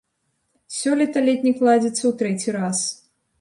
Сёлета летнік ладзіцца ў трэці раз.